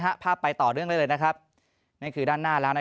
นะครับภาพไปต่อเรื่องเลยนะครับไม่ค้อด้านหน้าแล้วนะ